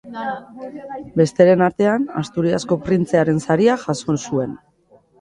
Besteren artean, Asturiasko Printzearen Saria jaso zuen.